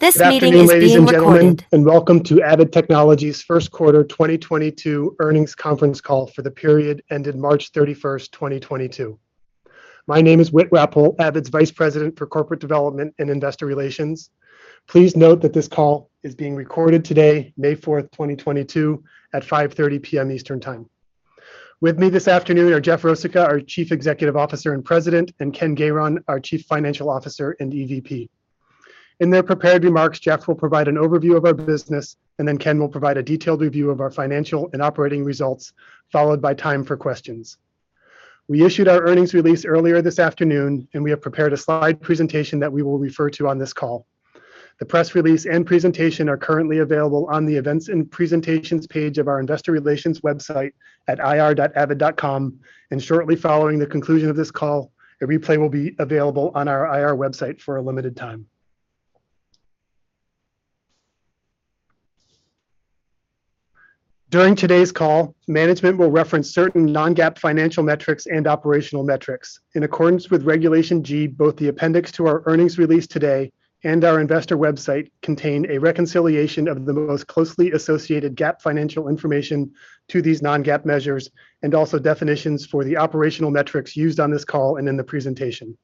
Good afternoon, ladies and gentlemen, and welcome to Avid Technology's first quarter 2022 earnings conference call for the period ended March 31st, 2022. My name is Whit Rappole, Avid's Vice President for Corporate Development and Investor Relations. Please note that this call is being recorded today, May 4th, 2022 at 5:30 P.M. Eastern Time. With me this afternoon are Jeff Rosica, our Chief Executive Officer and President, and Ken Gayron, our Chief Financial Officer and EVP. In their prepared remarks, Jeff will provide an overview of our business, and then Ken will provide a detailed review of our financial and operating results, followed by time for questions. We issued our earnings release earlier this afternoon, and we have prepared a slide presentation that we will refer to on this call. The press release and presentation are currently available on the Events and Presentations page of our investor relations website at ir.avid.com, and shortly following the conclusion of this call, a replay will be available on our IR website for a limited time. During today's call, management will reference certain non-GAAP financial metrics and operational metrics. In accordance with Regulation G, both the appendix to our earnings release today and our investor website contain a reconciliation of the most closely associated GAAP financial information to these non-GAAP measures and also definitions for the operational metrics used on this call and in the presentation.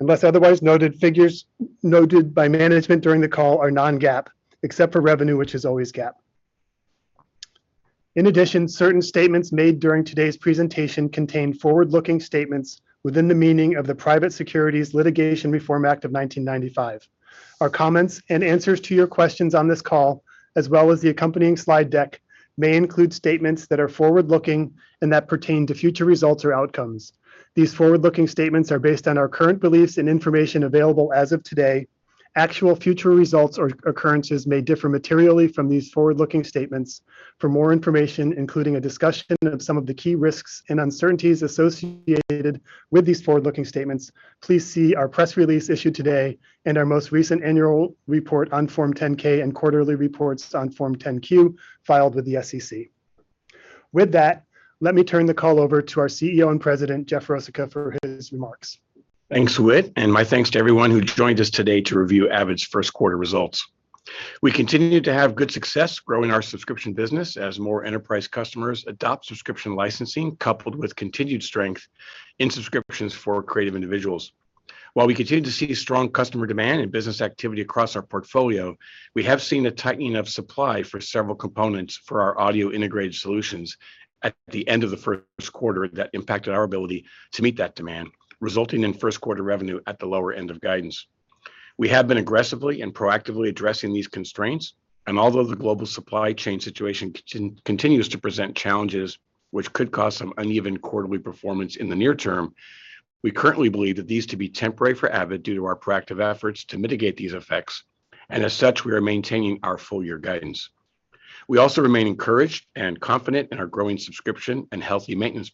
Unless otherwise noted, figures noted by management during the call are non-GAAP, except for revenue, which is always GAAP. In addition, certain statements made during today's presentation contain forward-looking statements within the meaning of the Private Securities Litigation Reform Act of 1995. Our comments and answers to your questions on this call, as well as the accompanying slide deck, may include statements that are forward-looking and that pertain to future results or outcomes. These forward-looking statements are based on our current beliefs and information available as of today. Actual future results or occurrences may differ materially from these forward-looking statements. For more information, including a discussion of some of the key risks and uncertainties associated with these forward-looking statements, please see our press release issued today and our most recent annual report on Form 10-K and quarterly reports on Form 10-Q filed with the SEC. With that, let me turn the call over to our CEO and President, Jeff Rosica, for his remarks. Thanks, Whit, and my thanks to everyone who joined us today to review Avid's first quarter results. We continue to have good success growing our subscription business as more enterprise customers adopt subscription licensing coupled with continued strength in subscriptions for creative individuals. While we continue to see strong customer demand and business activity across our portfolio, we have seen a tightening of supply for several components for our audio integrated solutions at the end of the first quarter that impacted our ability to meet that demand, resulting in first quarter revenue at the lower end of guidance. We have been aggressively and proactively addressing these constraints, and although the global supply chain situation continues to present challenges which could cause some uneven quarterly performance in the near term, we currently believe that these to be temporary for Avid due to our proactive efforts to mitigate these effects, and as such, we are maintaining our full year guidance. We also remain encouraged and confident in our growing subscription and healthy maintenance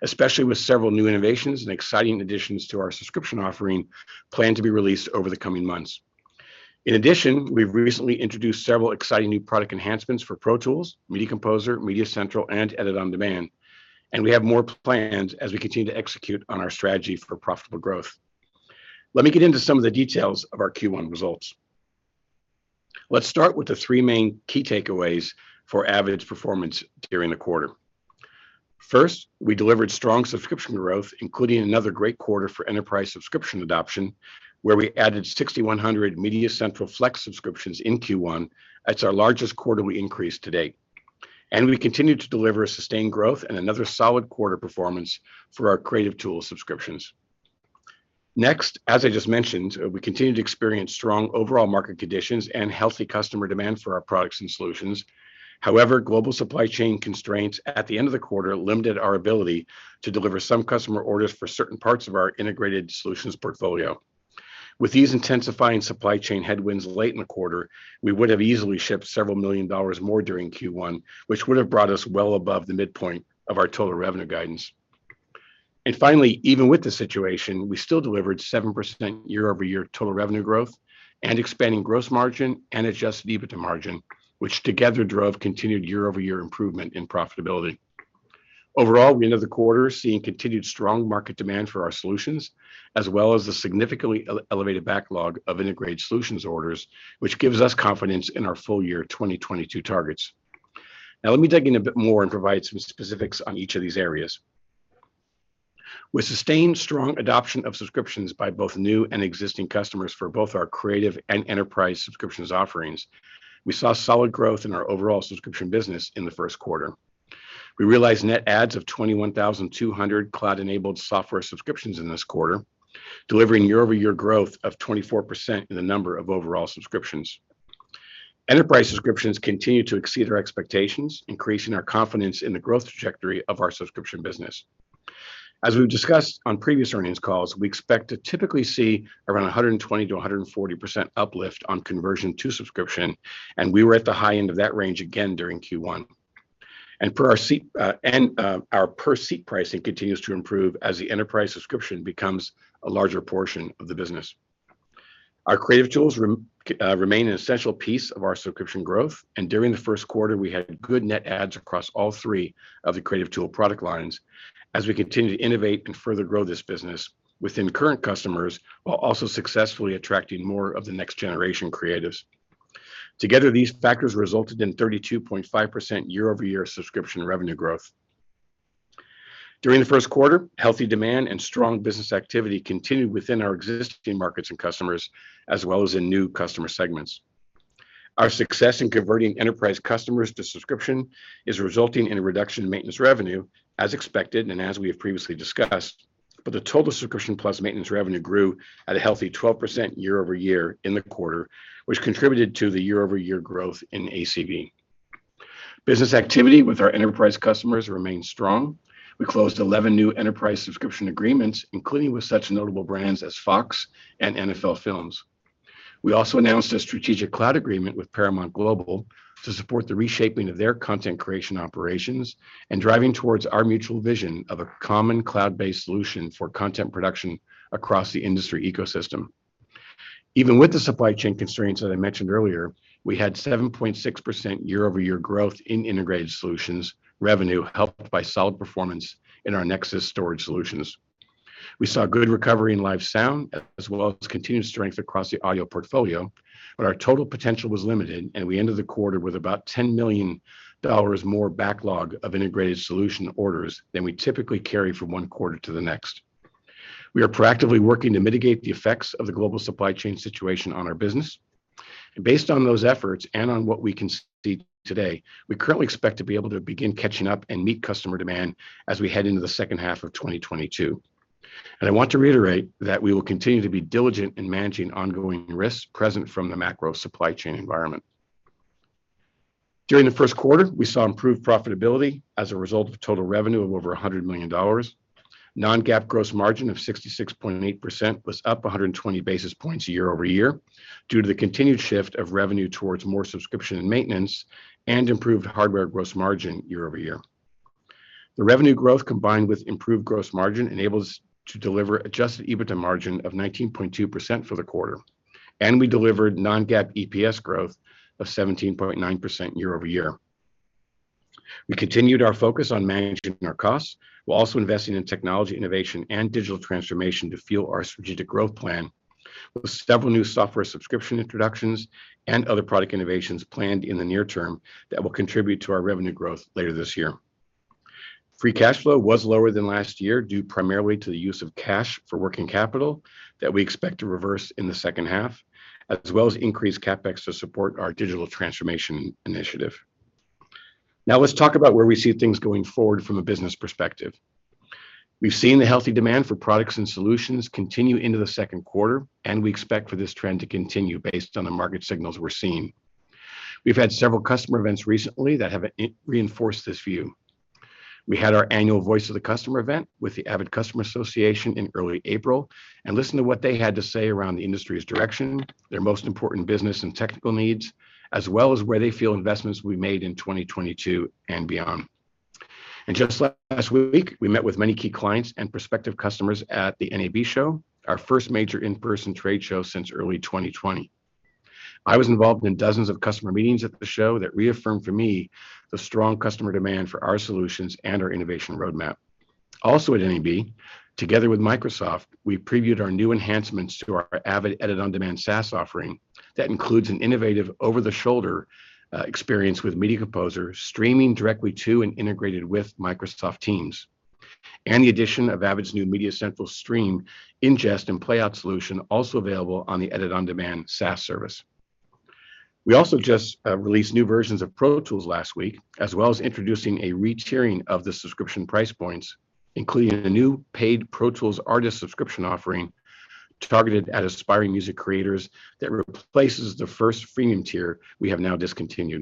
business, especially with several new innovations and exciting additions to our subscription offering planned to be released over the coming months. In addition, we've recently introduced several exciting new product enhancements for Pro Tools, Media Composer, MediaCentral, and Edit On Demand, and we have more plans as we continue to execute on our strategy for profitable growth. Let me get into some of the details of our Q1 results. Let's start with the three main key takeaways for Avid's performance during the quarter. First, we delivered strong subscription growth, including another great quarter for enterprise subscription adoption, where we added 6,100 MediaCentral Flex subscriptions in Q1. That's our largest quarterly increase to date. We continue to deliver a sustained growth and another solid quarter performance for our creative tool subscriptions. Next, as I just mentioned, we continue to experience strong overall market conditions and healthy customer demand for our products and solutions. However, global supply chain constraints at the end of the quarter limited our ability to deliver some customer orders for certain parts of our integrated solutions portfolio. With these intensifying supply chain headwinds late in the quarter, we would have easily shipped several million dollars more during Q1, which would have brought us well above the midpoint of our total revenue guidance. Finally, even with the situation, we still delivered 7% year-over-year total revenue growth and expanding gross margin and adjusted EBITDA margin, which together drove continued year-over-year improvement in profitability. Overall, we end the quarter seeing continued strong market demand for our solutions, as well as the significantly elevated backlog of integrated solutions orders, which gives us confidence in our full-year 2022 targets. Now let me dig in a bit more and provide some specifics on each of these areas. With sustained strong adoption of subscriptions by both new and existing customers for both our creative and enterprise subscriptions offerings, we saw solid growth in our overall subscription business in the first quarter. We realized net adds of 21,200 cloud-enabled software subscriptions in this quarter, delivering year-over-year growth of 24% in the number of overall subscriptions. Enterprise subscriptions continue to exceed our expectations, increasing our confidence in the growth trajectory of our subscription business. As we've discussed on previous earnings calls, we expect to typically see around 120%-140% uplift on conversion to subscription, and we were at the high end of that range again during Q1. Our per seat pricing continues to improve as the enterprise subscription becomes a larger portion of the business. Our creative tools remain an essential piece of our subscription growth, and during the first quarter, we had good net adds across all three of the creative tool product lines as we continue to innovate and further grow this business within current customers while also successfully attracting more of the next generation creatives. Together, these factors resulted in 32.5% year-over-year subscription revenue growth. During the first quarter, healthy demand and strong business activity continued within our existing markets and customers, as well as in new customer segments. Our success in converting enterprise customers to subscription is resulting in a reduction in maintenance revenue, as expected and as we have previously discussed, but the total subscription plus maintenance revenue grew at a healthy 12% year-over-year in the quarter, which contributed to the year-over-year growth in ACV. Business activity with our enterprise customers remained strong. We closed 11 new enterprise subscription agreements, including with such notable brands as Fox and NFL Films. We also announced a strategic cloud agreement with Paramount Global to support the reshaping of their content creation operations and driving towards our mutual vision of a common cloud-based solution for content production across the industry ecosystem. Even with the supply chain constraints that I mentioned earlier, we had 7.6% year-over-year growth in integrated solutions revenue, helped by solid performance in our NEXIS storage solutions. We saw good recovery in live sound, as well as continued strength across the audio portfolio, but our total potential was limited, and we ended the quarter with about $10 million more backlog of integrated solution orders than we typically carry from one quarter to the next. We are proactively working to mitigate the effects of the global supply chain situation on our business. Based on those efforts and on what we can see today, we currently expect to be able to begin catching up and meet customer demand as we head into the second half of 2022. I want to reiterate that we will continue to be diligent in managing ongoing risks present from the macro supply chain environment. During the first quarter, we saw improved profitability as a result of total revenue of over $100 million. Non-GAAP gross margin of 66.8% was up 120 basis points year-over-year due to the continued shift of revenue towards more subscription and maintenance and improved hardware gross margin year-over-year. The revenue growth combined with improved gross margin enables to deliver adjusted EBITDA margin of 19.2% for the quarter, and we delivered non-GAAP EPS growth of 17.9% year-over-year. We continued our focus on managing our costs while also investing in technology innovation and digital transformation to fuel our strategic growth plan with several new software subscription introductions and other product innovations planned in the near term that will contribute to our revenue growth later this year. Free cash flow was lower than last year due primarily to the use of cash for working capital that we expect to reverse in the second half, as well as increased CapEx to support our digital transformation initiative. Now let's talk about where we see things going forward from a business perspective. We've seen the healthy demand for products and solutions continue into the second quarter, and we expect for this trend to continue based on the market signals we're seeing. We've had several customer events recently that have reinforced this view. We had our annual Voice of the Customer event with the Avid Customer Association in early April and listened to what they had to say around the industry's direction, their most important business and technical needs, as well as where they feel investments will be made in 2022 and beyond. Just last week, we met with many key clients and prospective customers at the NAB Show, our first major in-person trade show since early 2020. I was involved in dozens of customer meetings at the show that reaffirmed for me the strong customer demand for our solutions and our innovation roadmap. Also at NAB, together with Microsoft, we previewed our new enhancements to our Avid Edit On Demand SaaS offering that includes an innovative over-the-shoulder experience with Media Composer streaming directly to and integrated with Microsoft Teams, and the addition of Avid's new MediaCentral Stream ingest and playout solution also available on the Edit On Demand SaaS service. We also just released new versions of Pro Tools last week, as well as introducing a re-tiering of the subscription price points, including a new paid Pro Tools Artist subscription offering targeted at aspiring music creators that replaces the first freemium tier we have now discontinued.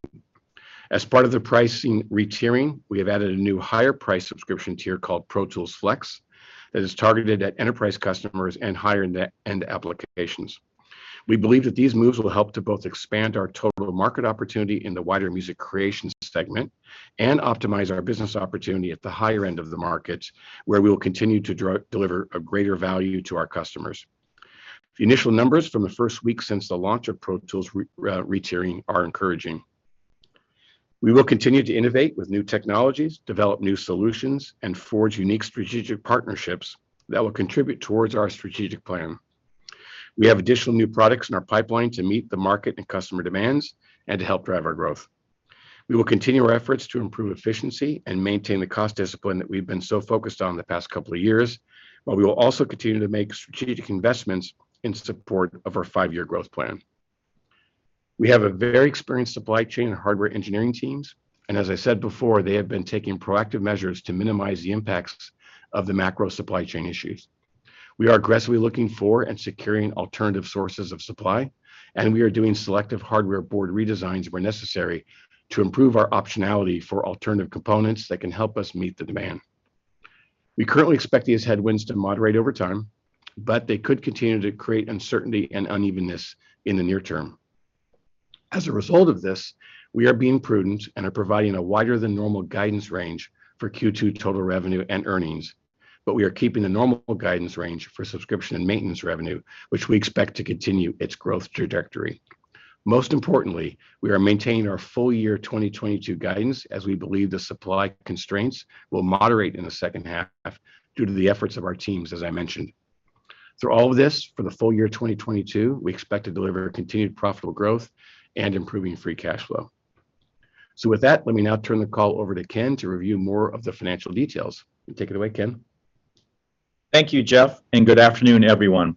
As part of the pricing re-tiering, we have added a new higher price subscription tier called Pro Tools Flex that is targeted at enterprise customers and higher-end applications. We believe that these moves will help to both expand our total market opportunity in the wider music creation segment and optimize our business opportunity at the higher end of the market, where we will continue to deliver a greater value to our customers. The initial numbers from the first week since the launch of Pro Tools re-tiering are encouraging. We will continue to innovate with new technologies, develop new solutions, and forge unique strategic partnerships that will contribute towards our strategic plan. We have additional new products in our pipeline to meet the market and customer demands and to help drive our growth. We will continue our efforts to improve efficiency and maintain the cost discipline that we've been so focused on the past couple of years, while we will also continue to make strategic investments in support of our five-year growth plan. We have a very experienced supply chain and hardware engineering teams, and as I said before, they have been taking proactive measures to minimize the impacts of the macro supply chain issues. We are aggressively looking for and securing alternative sources of supply, and we are doing selective hardware board redesigns where necessary to improve our optionality for alternative components that can help us meet the demand. We currently expect these headwinds to moderate over time, but they could continue to create uncertainty and unevenness in the near term. As a result of this, we are being prudent and are providing a wider-than-normal guidance range for Q2 total revenue and earnings, but we are keeping the normal guidance range for subscription and maintenance revenue, which we expect to continue its growth trajectory. Most importantly, we are maintaining our full-year 2022 guidance as we believe the supply constraints will moderate in the second half due to the efforts of our teams, as I mentioned. Through all of this, for the full year 2022, we expect to deliver continued profitable growth and improving free cash flow. With that, let me now turn the call over to Ken to review more of the financial details. Take it away, Ken. Thank you, Jeff, and good afternoon, everyone.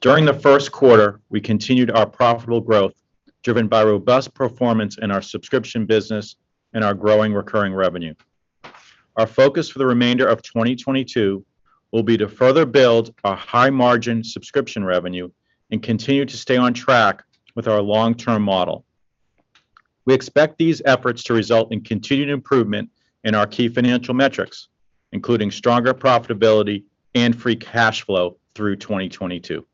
During the first quarter, we continued our profitable growth, driven by robust performance in our subscription business and our growing recurring revenue. Our focus for the remainder of 2022 will be to further build our high-margin subscription revenue and continue to stay on track with our long-term model. We expect these efforts to result in continued improvement in our key financial metrics, including stronger profitability and free cash flow through 2022.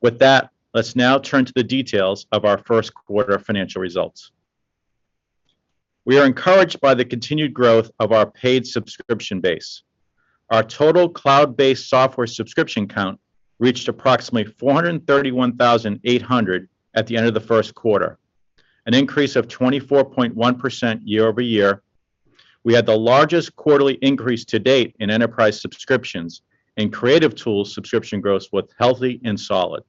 With that, let's now turn to the details of our first quarter financial results. We are encouraged by the continued growth of our paid subscription base. Our total cloud-based software subscription count reached approximately 431,800 at the end of the first quarter, an increase of 24.1% year over year. We had the largest quarterly increase to date in enterprise subscriptions, and creative tools subscription growth was healthy and solid.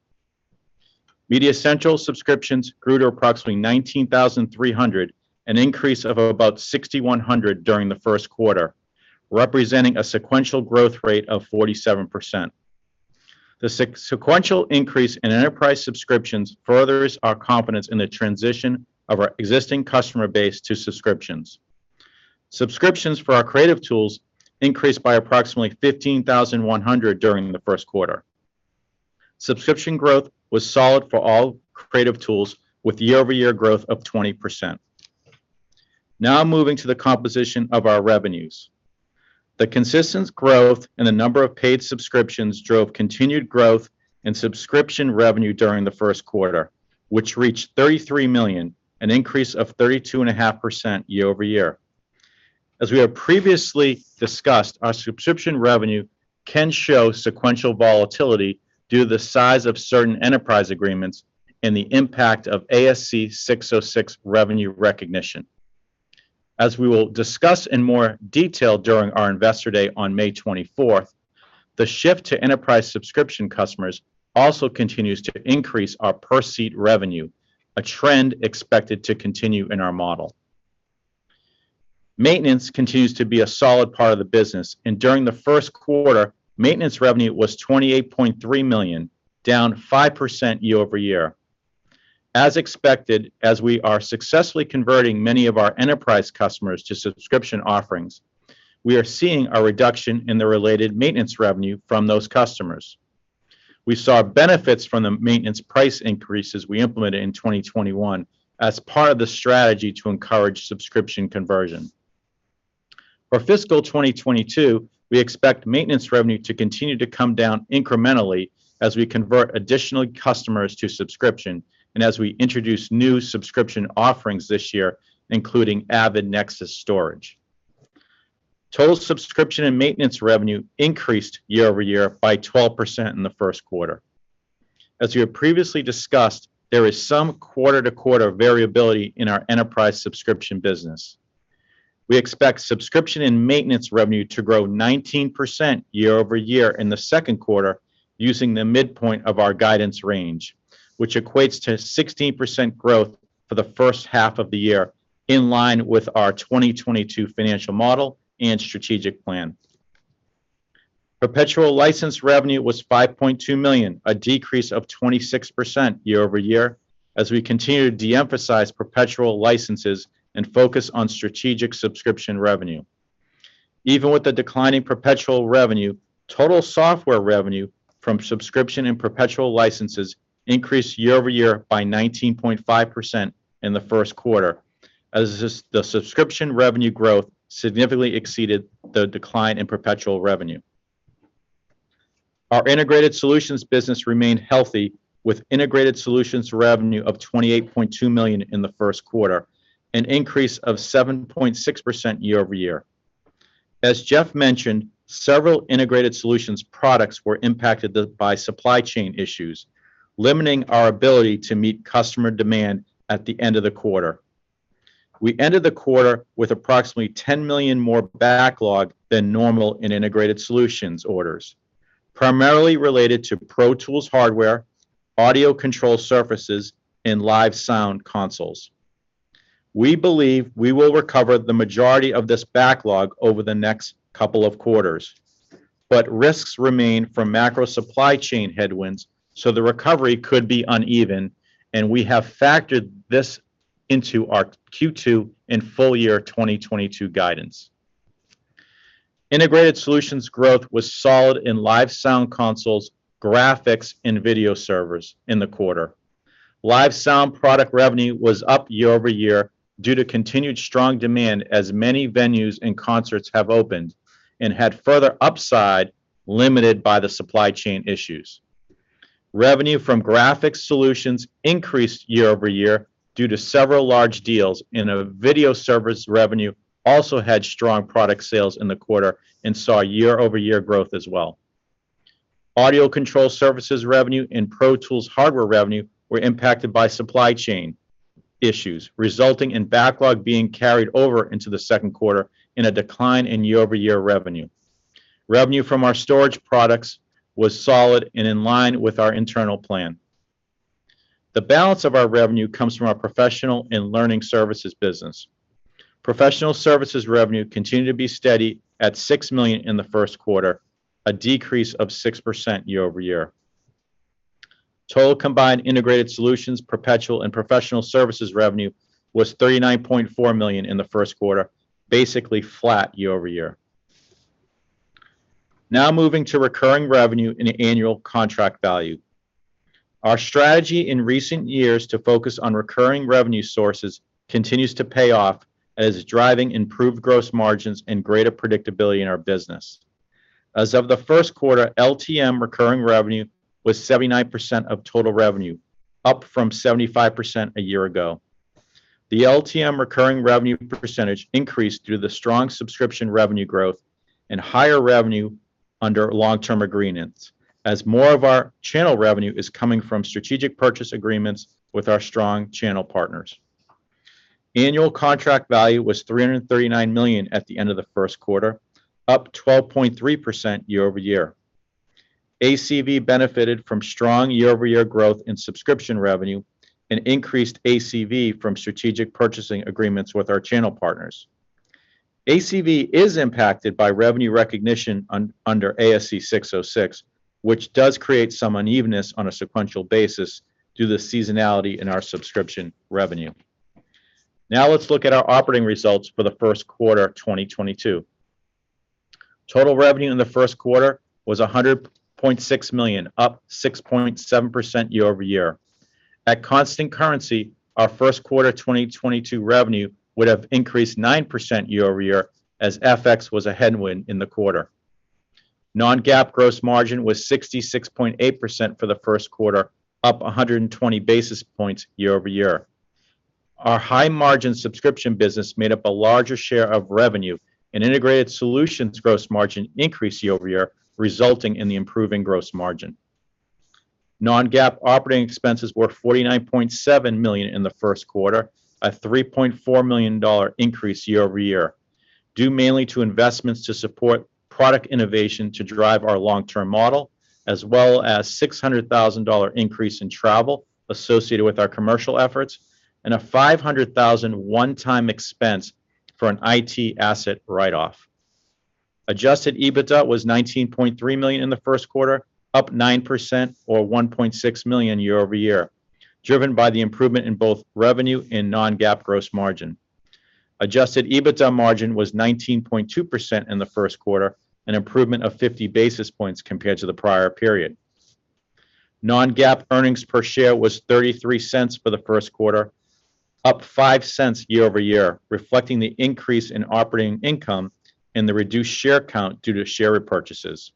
MediaCentral subscriptions grew to approximately 19,300, an increase of about 6,100 during the first quarter, representing a sequential growth rate of 47%. The sequential increase in enterprise subscriptions furthers our confidence in the transition of our existing customer base to subscriptions. Subscriptions for our creative tools increased by approximately 15,100 during the first quarter. Subscription growth was solid for all creative tools with year-over-year growth of 20%. Now moving to the composition of our revenues. The consistent growth in the number of paid subscriptions drove continued growth in subscription revenue during the first quarter, which reached $33 million, an increase of 32.5% year-over-year. As we have previously discussed, our subscription revenue can show sequential volatility due to the size of certain enterprise agreements and the impact of ASC 606 revenue recognition. As we will discuss in more detail during our Investor Day on May 24th, the shift to enterprise subscription customers also continues to increase our per-seat revenue, a trend expected to continue in our model. Maintenance continues to be a solid part of the business, and during the first quarter, maintenance revenue was $28.3 million, down 5% year-over-year. As expected, as we are successfully converting many of our enterprise customers to subscription offerings, we are seeing a reduction in the related maintenance revenue from those customers. We saw benefits from the maintenance price increases we implemented in 2021 as part of the strategy to encourage subscription conversion. For fiscal 2022, we expect maintenance revenue to continue to come down incrementally as we convert additional customers to subscription and as we introduce new subscription offerings this year, including Avid NEXIS. Total subscription and maintenance revenue increased year-over-year by 12% in the first quarter. As we have previously discussed, there is some quarter-to-quarter variability in our enterprise subscription business. We expect subscription and maintenance revenue to grow 19% year-over-year in the second quarter using the midpoint of our guidance range, which equates to 16% growth for the first half of the year, in line with our 2022 financial model and strategic plan. Perpetual license revenue was $5.2 million, a decrease of 26% year-over-year as we continue to de-emphasize perpetual licenses and focus on strategic subscription revenue. Even with the declining perpetual revenue, total software revenue from subscription and perpetual licenses increased year-over-year by 19.5% in the first quarter as the subscription revenue growth significantly exceeded the decline in perpetual revenue. Our integrated solutions business remained healthy with integrated solutions revenue of $28.2 million in the first quarter, an increase of 7.6% year-over-year. As Jeff mentioned, several integrated solutions products were impacted by supply chain issues, limiting our ability to meet customer demand at the end of the quarter. We ended the quarter with approximately $10 million more backlog than normal in integrated solutions orders, primarily related to Pro Tools hardware, audio control surfaces, and live sound consoles. We believe we will recover the majority of this backlog over the next couple of quarters. Risks remain from macro supply chain headwinds, so the recovery could be uneven, and we have factored this into our Q2 and full year 2022 guidance. Integrated solutions growth was solid in live sound consoles, graphics, and video servers in the quarter. Live sound product revenue was up year-over-year due to continued strong demand as many venues and concerts have opened and had further upside limited by the supply chain issues. Revenue from graphics solutions increased year-over-year due to several large deals, and video servers revenue also had strong product sales in the quarter and saw year-over-year growth as well. Audio control services revenue and Pro Tools hardware revenue were impacted by supply chain issues, resulting in backlog being carried over into the second quarter and a decline in year-over-year revenue. Revenue from our storage products was solid and in line with our internal plan. The balance of our revenue comes from our professional and learning services business. Professional services revenue continued to be steady at $6 million in the first quarter, a decrease of 6% year over year. Total combined integrated solutions, perpetual, and professional services revenue was $39.4 million in the first quarter, basically flat year over year. Now moving to recurring revenue and annual contract value. Our strategy in recent years to focus on recurring revenue sources continues to pay off as it's driving improved gross margins and greater predictability in our business. As of the first quarter, LTM recurring revenue was 79% of total revenue, up from 75% a year ago. The LTM recurring revenue percentage increased through the strong subscription revenue growth and higher revenue under long-term agreements, as more of our channel revenue is coming from strategic purchase agreements with our strong channel partners. Annual contract value was $339 million at the end of the first quarter, up 12.3% year-over-year. ACV benefited from strong year-over-year growth in subscription revenue and increased ACV from strategic purchasing agreements with our channel partners. ACV is impacted by revenue recognition under ASC 606, which does create some unevenness on a sequential basis due to seasonality in our subscription revenue. Now let's look at our operating results for the first quarter of 2022. Total revenue in the first quarter was $100.6 million, up 6.7% year-over-year. At constant currency, our first quarter 2022 revenue would have increased 9% year-over-year as FX was a headwind in the quarter. Non-GAAP gross margin was 66.8% for the first quarter, up 120 basis points year-over-year. Our high-margin subscription business made up a larger share of revenue, and integrated solutions gross margin increased year-over-year, resulting in the improving gross margin. Non-GAAP operating expenses were $49.7 million in the first quarter, a $3.4 million increase year-over-year, due mainly to investments to support product innovation to drive our long-term model, as well as $600,000 increase in travel associated with our commercial efforts and a $500,000 one-time expense for an IT asset write-off. Adjusted EBITDA was $19.3 million in the first quarter, up 9% or $1.6 million year-over-year, driven by the improvement in both revenue and non-GAAP gross margin. Adjusted EBITDA margin was 19.2% in the first quarter, an improvement of 50 basis points compared to the prior period. Non-GAAP earnings per share was $0.33 for the first quarter, up $0.05 year-over-year, reflecting the increase in operating income and the reduced share count due to share repurchases.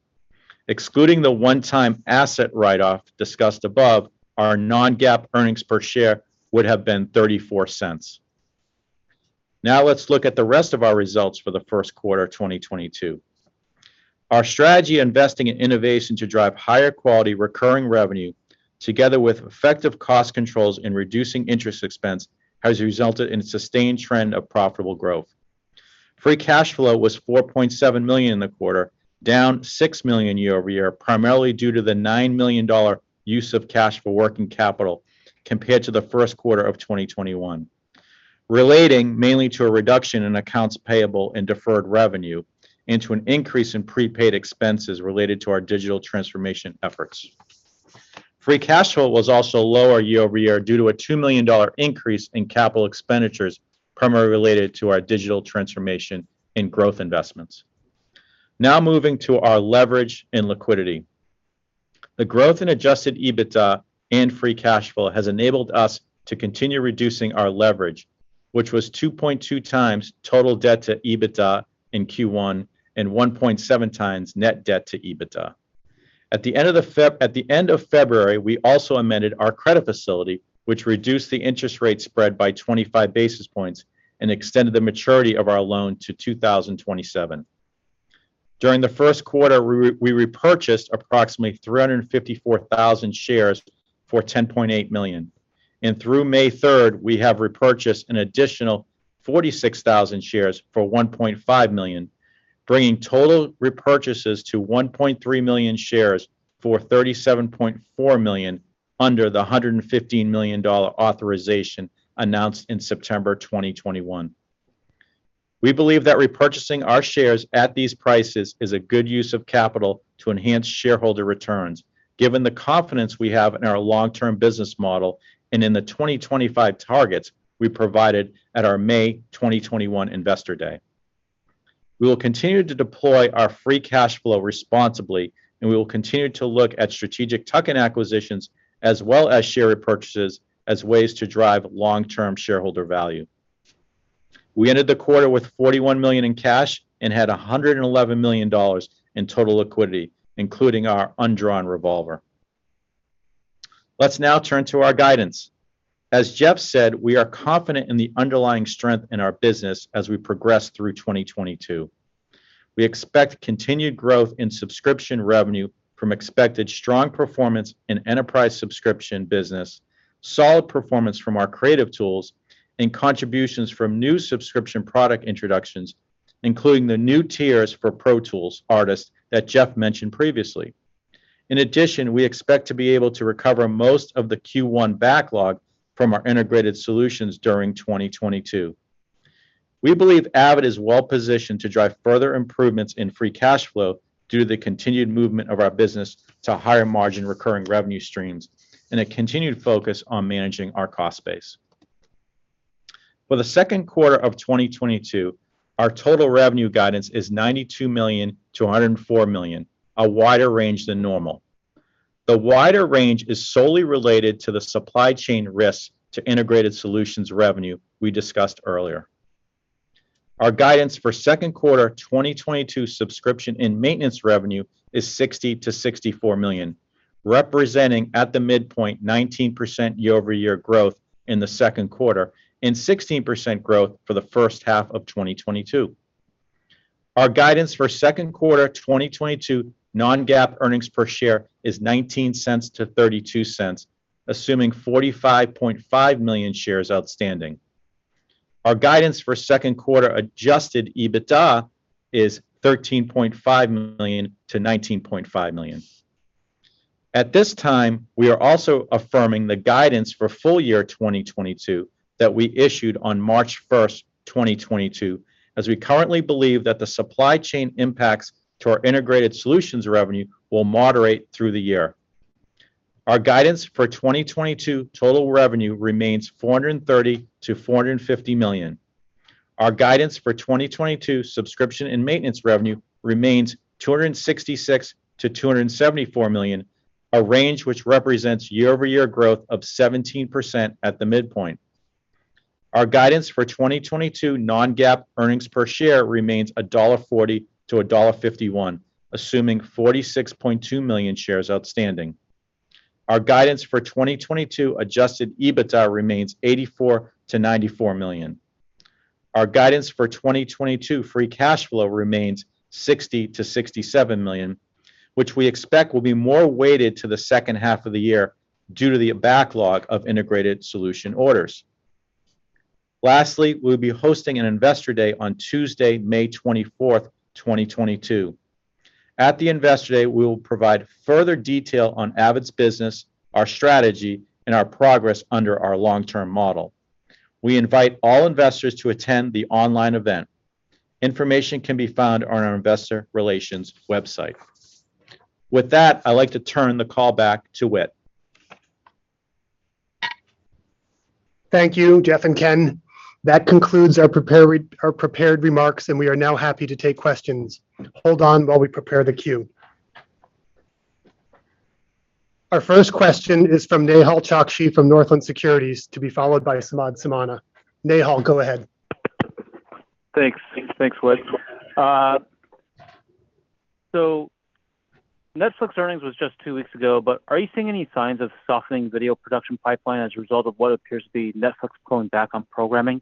Excluding the one-time asset write-off discussed above, our non-GAAP earnings per share would have been $0.34. Now let's look at the rest of our results for the first quarter of 2022. Our strategy investing in innovation to drive higher quality recurring revenue together with effective cost controls and reducing interest expense has resulted in a sustained trend of profitable growth. Free cash flow was $4.7 million in the quarter, down $6 million year-over-year, primarily due to the $9 million use of cash for working capital compared to the first quarter of 2021, relating mainly to a reduction in accounts payable and deferred revenue and to an increase in prepaid expenses related to our digital transformation efforts. Free cash flow was also lower year-over-year due to a $2 million increase in capital expenditures primarily related to our digital transformation and growth investments. Now moving to our leverage and liquidity. The growth in adjusted EBITDA and free cash flow has enabled us to continue reducing our leverage, which was 2.2x total debt to EBITDA in Q1 and 1.7x net debt to EBITDA. At the end of February, we also amended our credit facility, which reduced the interest rate spread by 25 basis points and extended the maturity of our loan to 2027. During the first quarter, we repurchased approximately 354,000 shares for $10.8 million. Through May 3rd, we have repurchased an additional 46,000 shares for $1.5 million, bringing total repurchases to 1.3 million shares for $37.4 million under the $115 million authorization announced in September 2021. We believe that repurchasing our shares at these prices is a good use of capital to enhance shareholder returns, given the confidence we have in our long-term business model and in the 2025 targets we provided at our May 2021 Investor Day. We will continue to deploy our free cash flow responsibly, and we will continue to look at strategic tuck-in acquisitions as well as share repurchases as ways to drive long-term shareholder value. We ended the quarter with $41 million in cash and had $111 million in total liquidity, including our undrawn revolver. Let's now turn to our guidance. As Jeff said, we are confident in the underlying strength in our business as we progress through 2022. We expect continued growth in subscription revenue from expected strong performance in enterprise subscription business, solid performance from our creative tools, and contributions from new subscription product introductions, including the new tiers for Pro Tools Artist that Jeff mentioned previously. In addition, we expect to be able to recover most of the Q1 backlog from our integrated solutions during 2022. We believe Avid is well-positioned to drive further improvements in free cash flow due to the continued movement of our business to higher-margin recurring revenue streams and a continued focus on managing our cost base. For the second quarter of 2022, our total revenue guidance is $92 million-$104 million, a wider range than normal. The wider range is solely related to the supply chain risk to integrated solutions revenue we discussed earlier. Our guidance for second quarter 2022 subscription and maintenance revenue is $60 million-$64 million, representing, at the midpoint, 19% year-over-year growth in the second quarter and 16% growth for the first half of 2022. Our guidance for second quarter 2022 non-GAAP earnings per share is $0.19-$0.32, assuming 45.5 million shares outstanding. Our guidance for second quarter adjusted EBITDA is $13.5 million-$19.5 million. At this time, we are also affirming the guidance for full year 2022 that we issued on March 1st, 2022, as we currently believe that the supply chain impacts to our integrated solutions revenue will moderate through the year. Our guidance for 2022 total revenue remains $430 million-$450 million. Our guidance for 2022 subscription and maintenance revenue remains $266 million-$274 million, a range which represents year-over-year growth of 17% at the midpoint. Our guidance for 2022 non-GAAP earnings per share remains $1.40-$1.51, assuming 46.2 million shares outstanding. Our guidance for 2022 adjusted EBITDA remains $84 million-$94 million. Our guidance for 2022 free cash flow remains $60 million-$67 million, which we expect will be more weighted to the second half of the year due to the backlog of integrated solution orders. We'll be hosting an Investor Day on Tuesday, May 24th, 2022. At the Investor Day, we will provide further detail on Avid's business, our strategy, and our progress under our long-term model. We invite all investors to attend the online event. Information can be found on our investor relations website. With that, I'd like to turn the call back to Whit. Thank you, Jeff and Ken. That concludes our prepared remarks, and we are now happy to take questions. Hold on while we prepare the queue. Our first question is from Nehal Chokshi from Northland Securities, to be followed by Samad Samana. Nehal, go ahead. Thanks. Thanks, Whit. Netflix earnings was just two weeks ago, but are you seeing any signs of softening video production pipeline as a result of what appears to be Netflix pulling back on programming?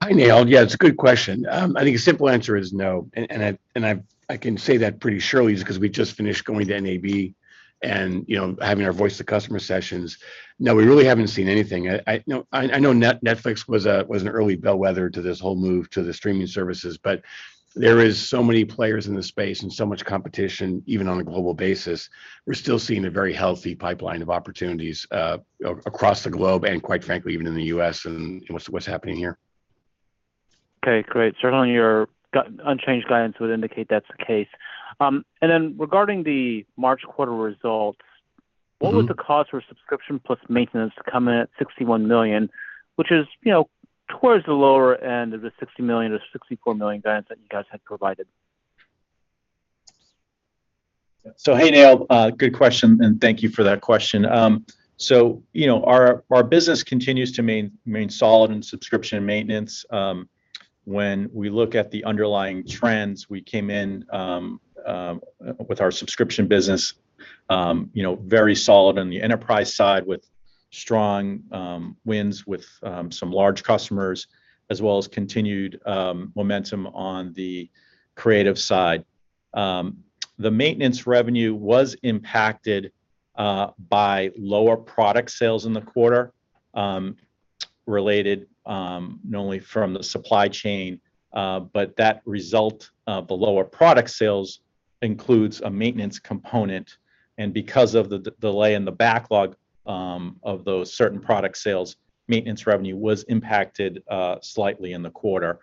Hi, Nehal. Yeah, it's a good question. I think a simple answer is no, and I can say that pretty surely just 'cause we just finished going to NAB and, you know, having our Voice of the Customer sessions. No, we really haven't seen anything. You know, I know Netflix was an early bellwether to this whole move to the streaming services, but there is so many players in this space and so much competition, even on a global basis. We're still seeing a very healthy pipeline of opportunities, across the globe and, quite frankly, even in the U.S. and what's happening here. Okay, great. Certainly your unchanged guidance would indicate that's the case. Regarding the March quarter results. Mm-hmm What would the cause for subscription plus maintenance come in at $61 million, which is, you know, towards the lower end of the $60 million-$64 million guidance that you guys had provided? Hey, Nehal. Good question, and thank you for that question. You know, our business continues to remain solid in subscription and maintenance. When we look at the underlying trends, we came in with our subscription business, you know, very solid on the enterprise side with strong wins with some large customers, as well as continued momentum on the creative side. The maintenance revenue was impacted by lower product sales in the quarter, related not only from the supply chain, but that result of the lower product sales includes a maintenance component, and because of the delay in the backlog of those certain product sales, maintenance revenue was impacted slightly in the quarter.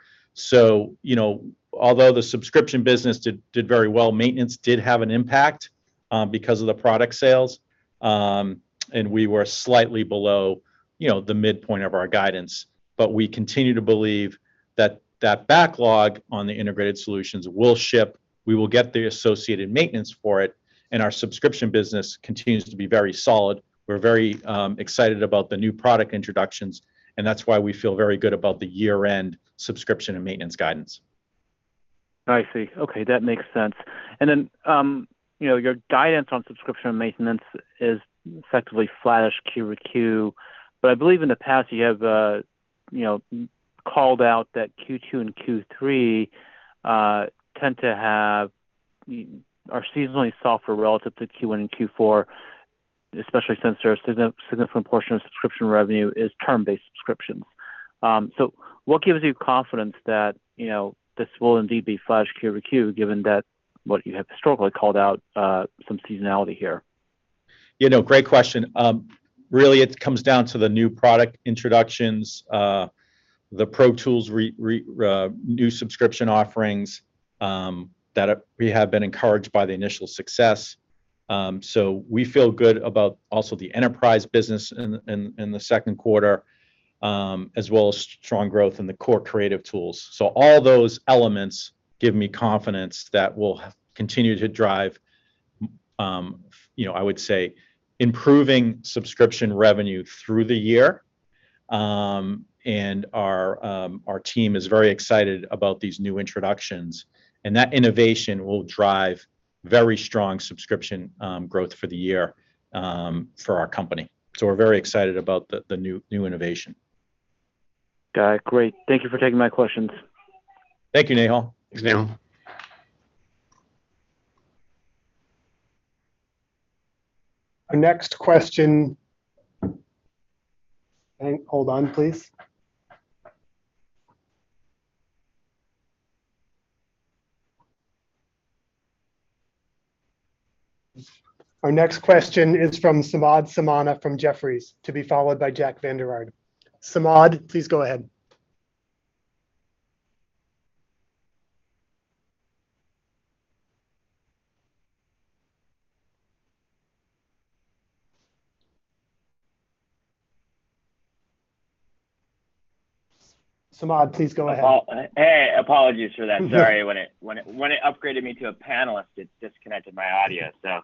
You know, although the subscription business did very well, maintenance did have an impact because of the product sales, and we were slightly below, you know, the midpoint of our guidance. We continue to believe that backlog on the integrated solutions will ship, we will get the associated maintenance for it, and our subscription business continues to be very solid. We're very excited about the new product introductions, and that's why we feel very good about the year-end subscription and maintenance guidance. I see. Okay, that makes sense. You know, your guidance on subscription and maintenance is effectively flatish Q over Q, but I believe in the past you have, you know, called out that Q2 and Q3 are seasonally softer relative to Q1 and Q4, especially since there are significant portion of subscription revenue is term-based subscriptions. What gives you confidence that, you know, this will indeed be flat Q over Q given that what you have historically called out, some seasonality here? You know, great question. Really, it comes down to the new product introductions, the Pro Tools new subscription offerings, that we have been encouraged by the initial success. We feel good about the enterprise business in the second quarter, as well as strong growth in the core creative tools. All those elements give me confidence that we'll continue to drive, you know, I would say improving subscription revenue through the year. Our team is very excited about these new introductions, and that innovation will drive very strong subscription growth for the year, for our company. We're very excited about the new innovation. Got it. Great. Thank you for taking my questions. Thank you, Nehal. Thanks, Nehal. Hold on, please. Our next question is from Samad Samana from Jefferies, to be followed by Jack Vander Aarde. Samad, please go ahead. Oh, hey, apologies for that. Sorry. When it upgraded me to a panelist, it disconnected my audio. So,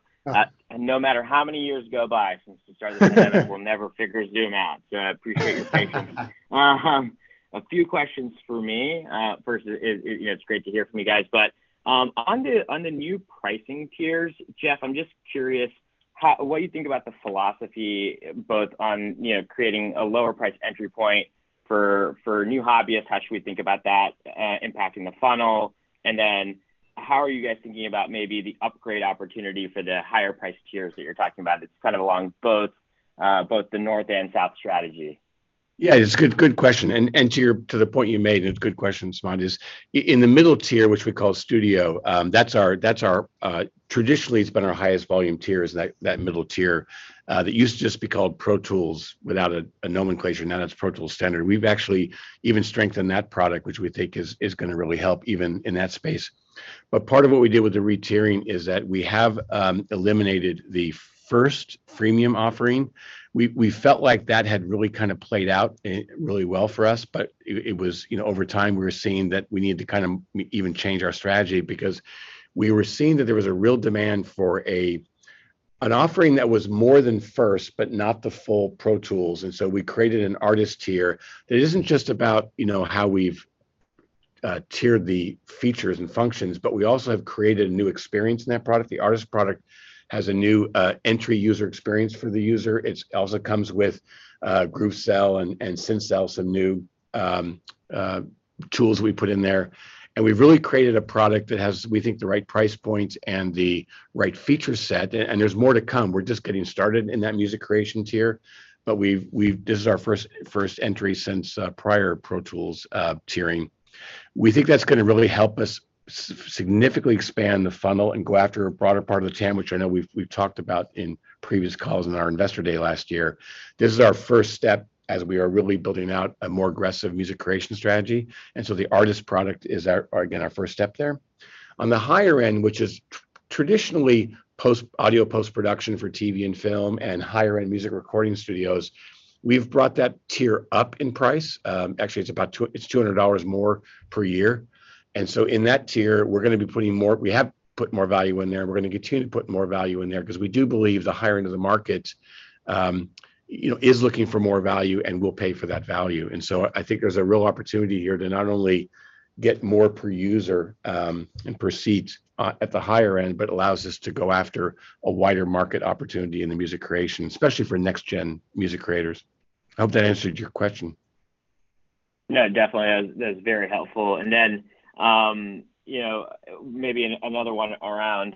no matter how many years go by since the start of this pandemic, we'll never figure Zoom out, so I appreciate your patience. A few questions from me. First, you know, it's great to hear from you guys. On the new pricing tiers, Jeff, I'm just curious how what you think about the philosophy both on, you know, creating a lower price entry point for new hobbyists. How should we think about that impacting the funnel? Then how are you guys thinking about maybe the upgrade opportunity for the higher priced tiers that you're talking about? It's kind of along both the north and south strategy. Yeah, it's a good question. To the point you made, a good question, Samad, in the middle tier, which we call Studio, that's our traditionally it's been our highest volume tier, that middle tier, that used to just be called Pro Tools without a nomenclature. Now that's Pro Tools Standard. We've actually even strengthened that product, which we think is gonna really help even in that space. Part of what we did with the retiering is that we have eliminated the first freemium offering. We felt like that had really kind of played out really well for us, but it was, you know, over time, we were seeing that we needed to kind of even change our strategy because we were seeing that there was a real demand for an offering that was more than first, but not the full Pro Tools. We created an Artist tier that isn't just about, you know, how we've tiered the features and functions, but we also have created a new experience in that product. The Artist product has a new entry user experience for the user. It also comes with GrooveCell and SynthCell, some new tools we put in there. We've really created a product that has, we think, the right price points and the right feature set, and there's more to come. We're just getting started in that music creation tier, but this is our first entry since prior Pro Tools tiering. We think that's gonna really help us significantly expand the funnel and go after a broader part of the TAM, which I know we've talked about in previous calls in our Investor Day last year. This is our first step as we are really building out a more aggressive music creation strategy, and so the Artist product is our, again, our first step there. On the higher end, which is traditionally audio post-production for TV and film and higher-end music recording studios, we've brought that tier up in price. Actually it's $200 more per year. In that tier, we're gonna be putting more value in there. We have put more value in there, and we're gonna continue to put more value in there because we do believe the higher end of the market is looking for more value and will pay for that value. I think there's a real opportunity here to not only get more per user and proceed at the higher end, but allows us to go after a wider market opportunity in the music creation, especially for next gen music creators. I hope that answered your question. No, definitely. That is very helpful. Then, you know, maybe another one around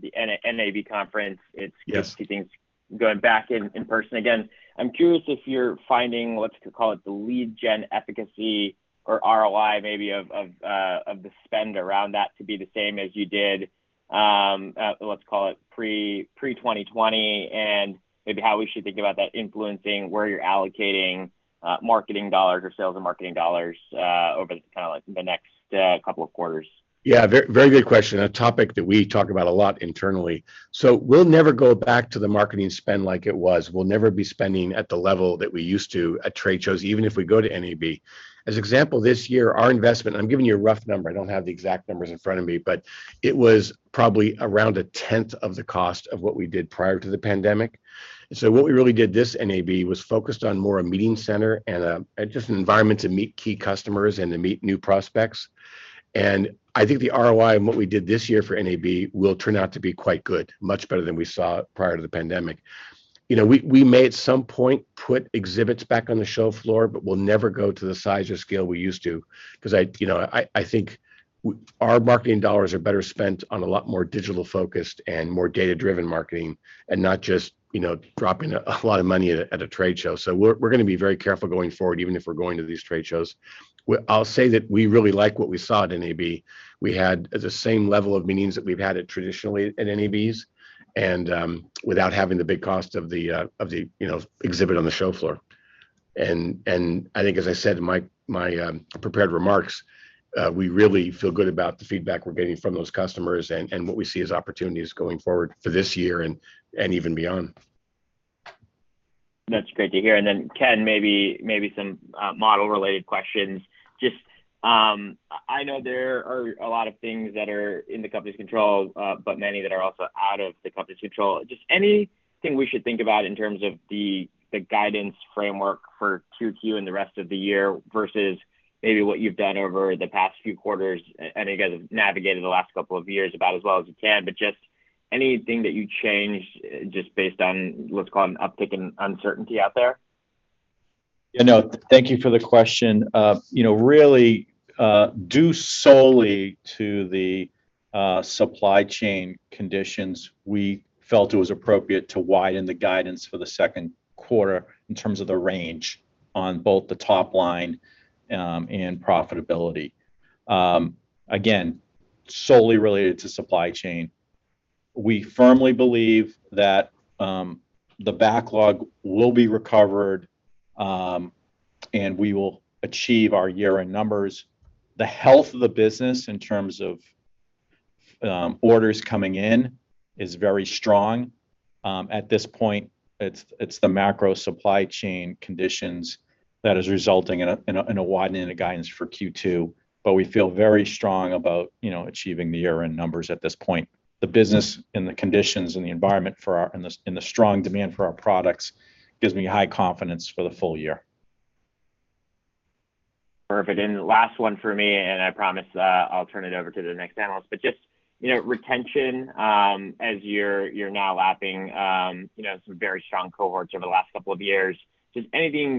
the NAB conference. It's Yes Just seeing things going back in person again. I'm curious if you're finding, let's call it the lead gen efficacy or ROI maybe of the spend around that to be the same as you did, let's call it pre-2020, and maybe how we should think about that influencing where you're allocating marketing dollars or sales and marketing dollars over kind of like the next couple of quarters. Yeah. Very, very good question. A topic that we talk about a lot internally. We'll never go back to the marketing spend like it was. We'll never be spending at the level that we used to at trade shows, even if we go to NAB. As an example, this year, our investment, I'm giving you a rough number, I don't have the exact numbers in front of me, but it was probably around a tenth of the cost of what we did prior to the pandemic. What we really did this NAB was focused on more a meeting center and, just an environment to meet key customers and to meet new prospects. I think the ROI of what we did this year for NAB will turn out to be quite good, much better than we saw prior to the pandemic. You know, we may at some point put exhibits back on the show floor, but we'll never go to the size or scale we used to 'cause, you know, I think our marketing dollars are better spent on a lot more digital-focused and more data-driven marketing and not just, you know, dropping a lot of money at a trade show. We're gonna be very careful going forward, even if we're going to these trade shows. I'll say that we really like what we saw at NAB. We had the same level of meetings that we've had traditionally at NABs and without having the big cost of the exhibit on the show floor. I think as I said in my prepared remarks, we really feel good about the feedback we're getting from those customers and what we see as opportunities going forward for this year and even beyond. That's great to hear. Then Ken, maybe some model-related questions. Just, I know there are a lot of things that are in the company's control, but many that are also out of the company's control. Just anything we should think about in terms of the guidance framework for Q2 and the rest of the year versus maybe what you've done over the past few quarters? I think you guys have navigated the last couple of years about as well as you can, but just anything that you'd change just based on what's called an uptick in uncertainty out there? You know, thank you for the question. You know, really, due solely to the supply chain conditions, we felt it was appropriate to widen the guidance for the second quarter in terms of the range on both the top line and profitability. Again, solely related to supply chain. We firmly believe that the backlog will be recovered and we will achieve our year-end numbers. The health of the business in terms of orders coming in is very strong. At this point it's the macro supply chain conditions that is resulting in a widening of the guidance for Q2, but we feel very strong about you know, achieving the year-end numbers at this point. The business and the conditions and the environment for our business are strong. The strong demand for our products gives me high confidence for the full year. Perfect. Last one for me, and I promise, I'll turn it over to the next analyst. Just, you know, retention, as you're now lapping, you know, some very strong cohorts over the last couple of years, just anything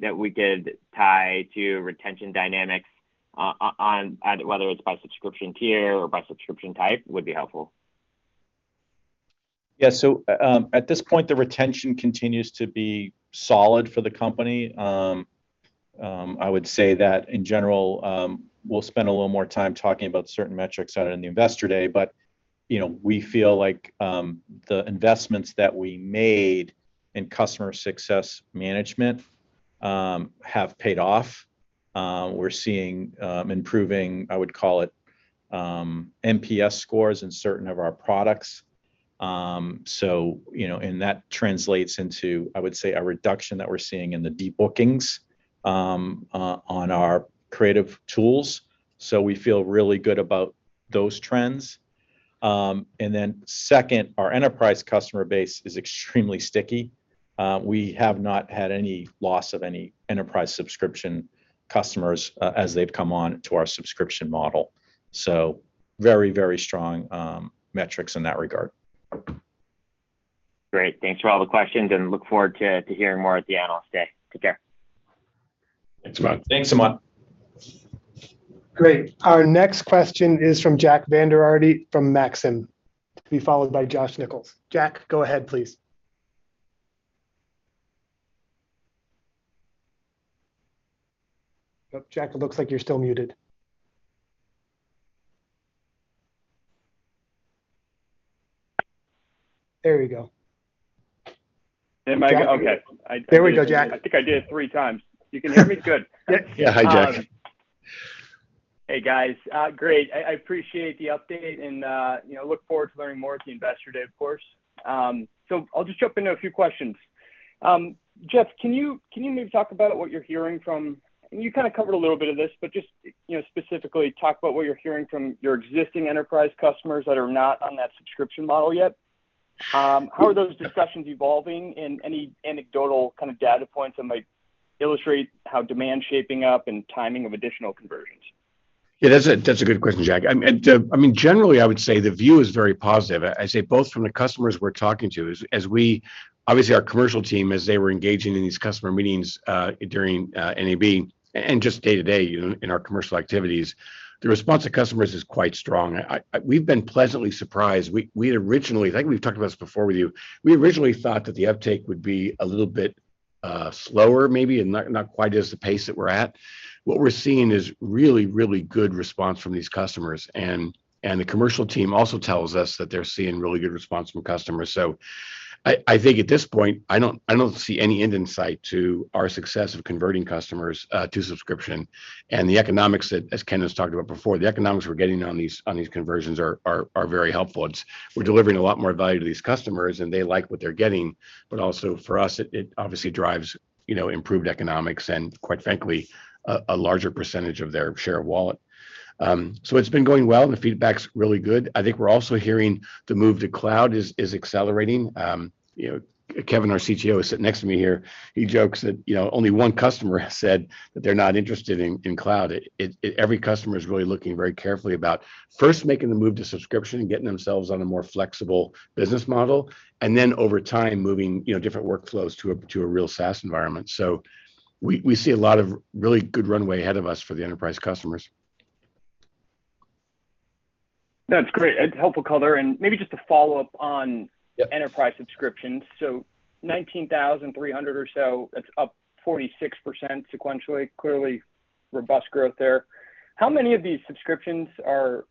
that we could tie to retention dynamics on whether it's by subscription tier or by subscription type would be helpful. Yeah. At this point, the retention continues to be solid for the company. I would say that in general, we'll spend a little more time talking about certain metrics on it in the Investor Day. You know, we feel like the investments that we made in customer success management have paid off. We're seeing improving, I would call it, NPS scores in certain of our products. You know, and that translates into, I would say, a reduction that we're seeing in the debookings on our creative tools. We feel really good about those trends. Second, our enterprise customer base is extremely sticky. We have not had any loss of any enterprise subscription customers as they've come on to our subscription model. Very, very strong metrics in that regard. Great. Thanks for all the questions, and look forward to hearing more at the Analyst Day. Take care. Thanks, Samad. Thanks, Samad. Great. Our next question is from Jack Vander Aarde from Maxim, to be followed by Josh Nichols. Jack, go ahead, please. Jack, it looks like you're still muted. There we go. Okay. There we go, Jack. I think I did it three times. You can hear me? Good. Yeah. Hi, Jack. Hey, guys. Great. I appreciate the update and, you know, look forward to learning more at the Investor Day, of course. I'll just jump into a few questions. Jeff, can you maybe talk about what you're hearing from. You kinda covered a little bit of this, but just, you know, specifically talk about what you're hearing from your existing enterprise customers that are not on that subscription model yet. How are those discussions evolving? And any anecdotal kind of data points that might illustrate how demand's shaping up and timing of additional conversions? Yeah. That's a good question, Jack. I mean, generally, I would say the view is very positive both from the customers we're talking to. Obviously, our commercial team as they were engaging in these customer meetings during NAB and just day-to-day, you know, in our commercial activities, the response of customers is quite strong. We've been pleasantly surprised. We had originally. I think we've talked about this before with you. We originally thought that the uptake would be a little bit slower maybe and not quite as the pace that we're at. What we're seeing is really good response from these customers. And the commercial team also tells us that they're seeing really good response from customers. I think at this point, I don't see any end in sight to our success of converting customers to subscription. The economics, as Ken has talked about before, we're getting on these conversions are very helpful. We're delivering a lot more value to these customers, and they like what they're getting. Also for us, it obviously drives, you know, improved economics and, quite frankly, a larger percentage of their share of wallet. It's been going well, and the feedback's really good. I think we're also hearing the move to cloud is accelerating. You know, Kevin, our CTO, is sitting next to me here. He jokes that, you know, only one customer has said that they're not interested in cloud. Every customer is really looking very carefully about first making the move to subscription and getting themselves on a more flexible business model and then over time moving, you know, different workflows to a real SaaS environment. We see a lot of really good runway ahead of us for the enterprise customers. That's great. A helpful color, and maybe just a follow-up on the enterprise subscriptions. Nineteen thousand three hundred or so, that's up 46% sequentially. Clearly robust growth there. How many of these subscriptions are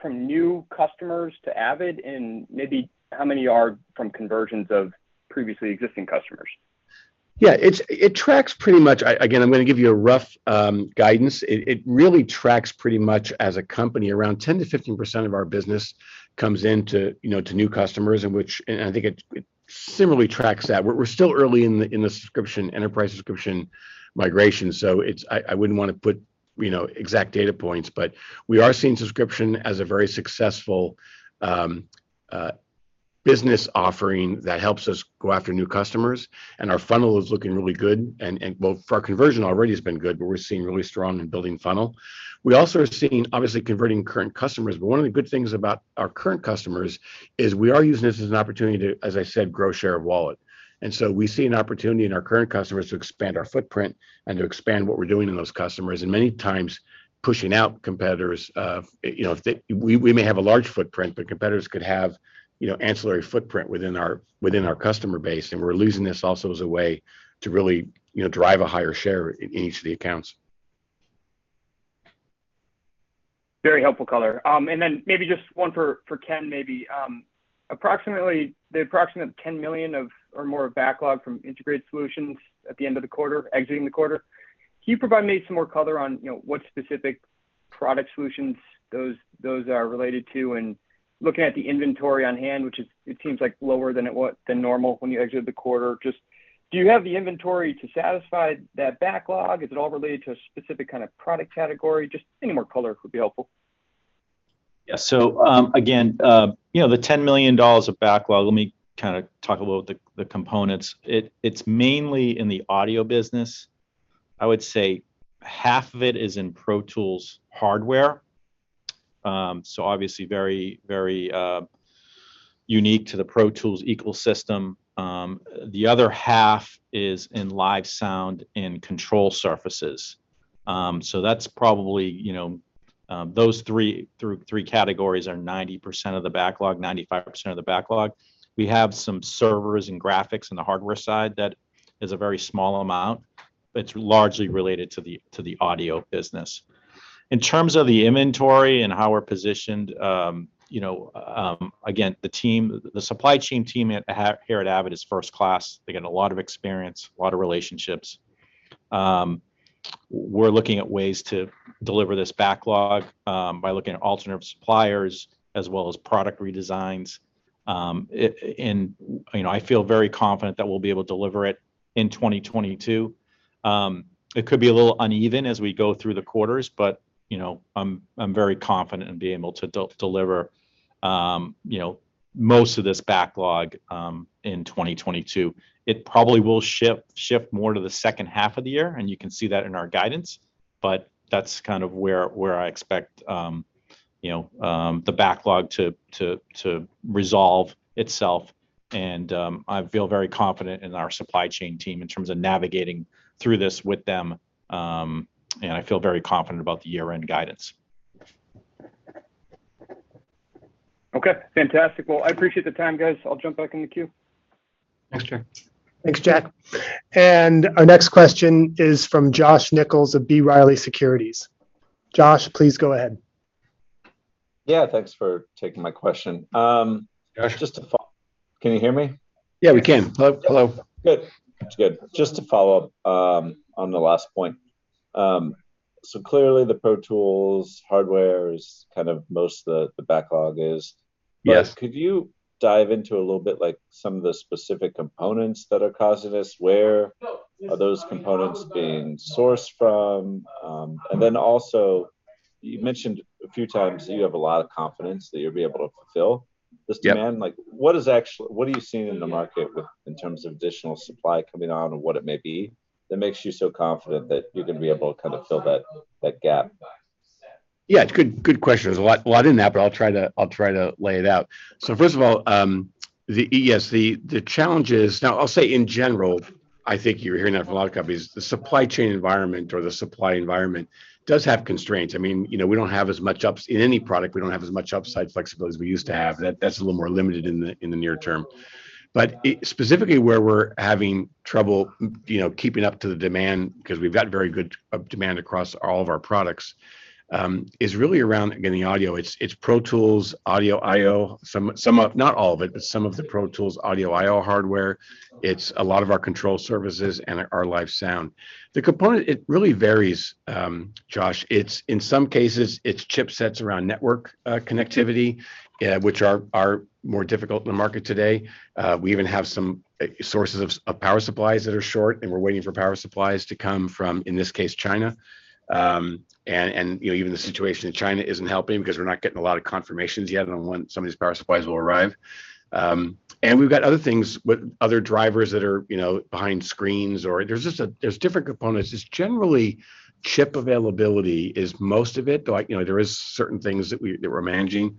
from new customers to Avid, and maybe how many are from conversions of previously existing customers? Yeah, it tracks pretty much. Again, I'm going to give you a rough guidance. It really tracks pretty much as a company. Around 10%-15% of our business comes into, you know, new customers, and I think it similarly tracks that. We're still early in the subscription enterprise subscription migration, so I wouldn't want to put, you know, exact data points. But we are seeing subscription as a very successful business offering that helps us go after new customers, and our funnel is looking really good. And for our conversion already has been good, but we're seeing really strong in building funnel. We also are seeing, obviously, converting current customers, but one of the good things about our current customers is we are using this as an opportunity to, as I said, grow share of wallet. We see an opportunity in our current customers to expand our footprint and to expand what we're doing in those customers, and many times pushing out competitors. You know, if we may have a large footprint, but competitors could have, you know, ancillary footprint within our customer base, and we're using this also as a way to really, you know, drive a higher share in each of the accounts. Very helpful color. Maybe just one for Ken. Approximately the approximate $10 million or more of backlog from integrated solutions at the end of the quarter, exiting the quarter. Can you provide me some more color on, you know, what specific product solutions those are related to? Looking at the inventory on hand, which is it seems like lower than it was than normal when you exited the quarter. Just do you have the inventory to satisfy that backlog? Is it all related to a specific kind of product category? Just any more color would be helpful. Yeah. Again, you know, the $10 million of backlog, let me kind of talk about the components. It's mainly in the audio business. I would say half of it is in Pro Tools hardware, so obviously very unique to the Pro Tools ecosystem. The other half is in live sound and control surfaces. So that's probably, you know, those three categories are 90%-95% of the backlog. We have some servers and graphics in the hardware side that is a very small amount, but it's largely related to the audio business. In terms of the inventory and how we're positioned, you know, again, the team, the supply chain team at here at Avid is first class. They get a lot of experience, a lot of relationships. We're looking at ways to deliver this backlog by looking at alternative suppliers as well as product redesigns. You know, I feel very confident that we'll be able to deliver it in 2022. It could be a little uneven as we go through the quarters, but, you know, I'm very confident in being able to deliver, you know, most of this backlog in 2022. It probably will shift more to the second half of the year, and you can see that in our guidance, but that's kind of where I expect, you know, the backlog to resolve itself. I feel very confident in our supply chain team in terms of navigating through this with them, and I feel very confident about the year-end guidance. Okay, fantastic. Well, I appreciate the time, guys. I'll jump back in the queue. Thanks, Jack. Thanks, Jack. Our next question is from Josh Nichols of B. Riley Securities. Josh, please go ahead. Yeah, thanks for taking my question. Josh- Can you hear me? Yeah, we can. Hello, hello. Good. That's good. Just to follow up on the last point. Clearly the Pro Tools hardware is kind of most of the backlog. Yes. Could you dive into a little bit like some of the specific components that are causing this? Where are those components being sourced from? Then also, you mentioned a few times that you have a lot of confidence that you'll be able to fulfill this demand. Yeah. Like, what are you seeing in the market, in terms of additional supply coming on and what it may be that makes you so confident that you're going to be able to kind of fill that gap? Yeah, good question. There's a lot in that, but I'll try to lay it out. First of all, the challenge is. Now, I'll say in general, I think you're hearing that from a lot of companies, the supply chain environment or the supply environment does have constraints. I mean, you know, we don't have as much upside flexibility as we used to have. That's a little more limited in the near term. But specifically where we're having trouble, you know, keeping up with the demand, 'cause we've got very good demand across all of our products, is really around, again, the audio. It's Pro Tools, Audio I/O, some of, not all of it, but some of the Pro Tools Audio I/O hardware. It's a lot of our control surfaces and our live sound. The component, it really varies, Josh. It's, in some cases, it's chipsets around network connectivity, which are more difficult in the market today. We even have some sources of power supplies that are short, and we're waiting for power supplies to come from, in this case, China. And you know, even the situation in China isn't helping because we're not getting a lot of confirmations yet on when some of these power supplies will arrive. And we've got other things with other drivers that are you know, behind screens. There's just different components. It's generally chip availability is most of it. Like, you know, there is certain things that we're managing.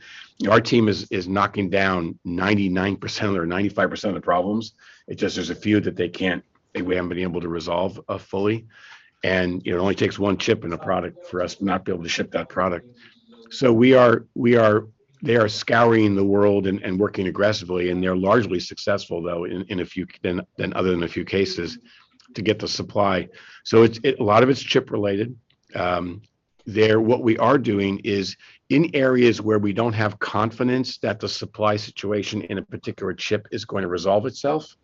Our team is knocking down 99% or 95% of the problems. It's just there's a few that we haven't been able to resolve fully. You know, it only takes one chip in a product for us to not be able to ship that product. They are scouring the world and working aggressively, and they're largely successful, other than a few cases, to get the supply. It's a lot of it is chip related. What we are doing is in areas where we don't have confidence that the supply situation in a particular chip is going to resolve itself,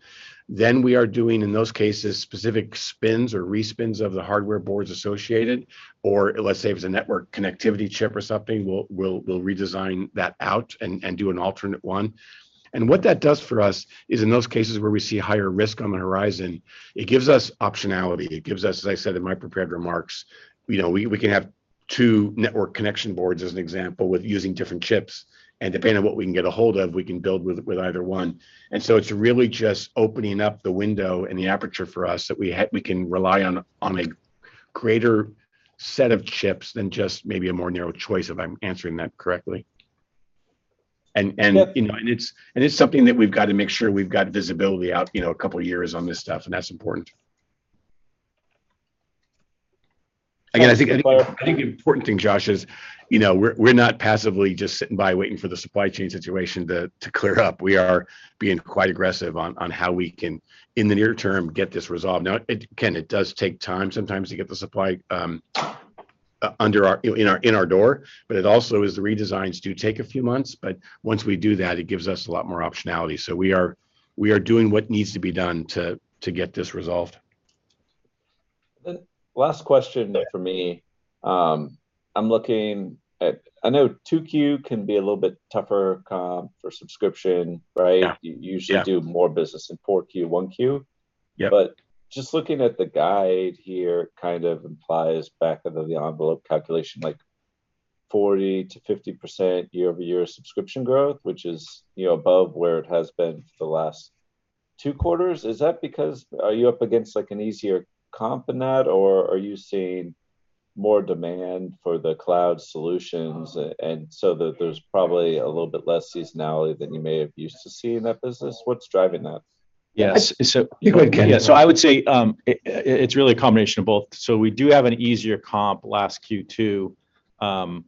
then we are doing in those cases specific spins or re-spins of the hardware boards associated or let's say if it's a network connectivity chip or something, we'll redesign that out and do an alternate one. What that does for us is in those cases where we see higher risk on the horizon, it gives us optionality. It gives us, as I said in my prepared remarks, you know, we can have two network connection boards as an example with using different chips. Depending on what we can get ahold of, we can build with either one. So it's really just opening up the window and the aperture for us that we can rely on a greater set of chips than just maybe a more narrow choice, if I'm answering that correctly. Yeah. You know, it's something that we've got to make sure we've got visibility out, you know, a couple of years on this stuff, and that's important. Again, I think the important thing, Josh, is, you know, we're not passively just sitting by waiting for the supply chain situation to clear up. We are being quite aggressive on how we can, in the near term, get this resolved. Now, it, Ken, it does take time sometimes to get the supply, you know, in our door, but it also is the redesigns do take a few months, but once we do that, it gives us a lot more optionality. We are doing what needs to be done to get this resolved. The last question for me, I'm looking at, I know, 2Q can be a little bit tougher for subscription, right? Yeah. You usually do more business in Q4, Q1. Yeah. just looking at the guide here kind of implies back of the envelope calculation, like 40%-50% year-over-year subscription growth, which is, you know, above where it has been for the last two quarters. Is that because you are up against like an easier comp in that, or are you seeing more demand for the cloud solutions and so that there's probably a little bit less seasonality than you may have used to see in that business? What's driving that? Yes. You go ahead, Ken. Yeah. I would say it's really a combination of both. We do have an easier comp last Q2. You know,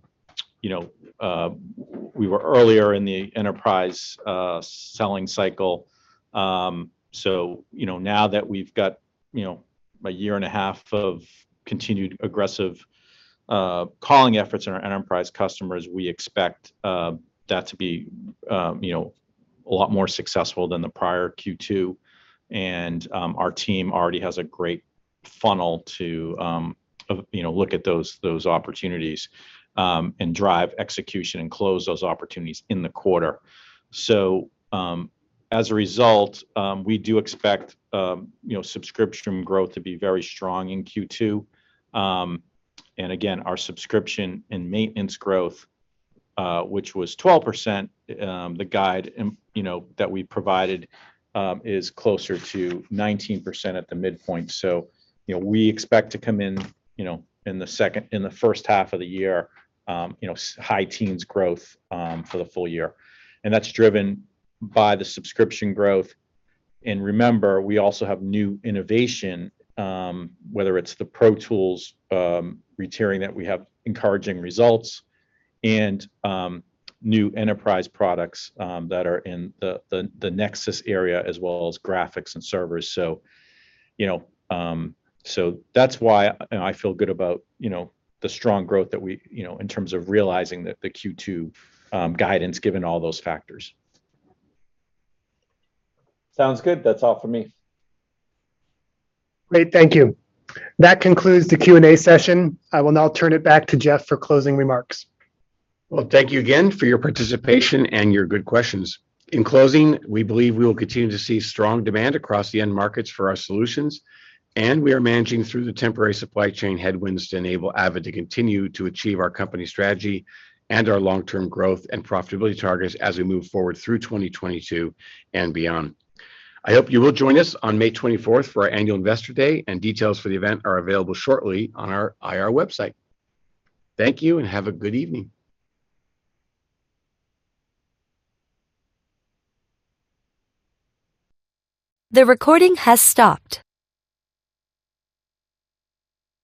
we were earlier in the enterprise selling cycle. Now that we've got you know, a year and a half of continued aggressive calling efforts in our enterprise customers, we expect that to be you know, a lot more successful than the prior Q2. Our team already has a great funnel to you know, look at those opportunities and drive execution and close those opportunities in the quarter. As a result, we do expect you know, subscription growth to be very strong in Q2. Our subscription and maintenance growth, which was 12%, the guide that we provided is closer to 19% at the midpoint. You know, we expect to come in, you know, in the first half of the year, you know, high teens% growth, for the full year. That's driven by the subscription growth. Remember, we also have new innovation, whether it's the Pro Tools pricing that we have encouraging results and new enterprise products that are in the NEXIS area as well as graphics and servers. You know, that's why I feel good about, you know, the strong growth that we, you know, in terms of realizing the Q2 guidance, given all those factors. Sounds good. That's all for me. Great. Thank you. That concludes the Q&A session. I will now turn it back to Jeff for closing remarks. Well, thank you again for your participation and your good questions. In closing, we believe we will continue to see strong demand across the end markets for our solutions, and we are managing through the temporary supply chain headwinds to enable Avid to continue to achieve our company strategy and our long-term growth and profitability targets as we move forward through 2022 and beyond. I hope you will join us on May 24th for our Annual Investor Day, and details for the event are available shortly on our IR website. Thank you, and have a good evening.